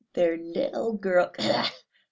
their little girl ...